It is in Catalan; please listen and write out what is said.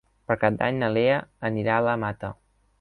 Per Cap d'Any na Lea anirà a la Mata.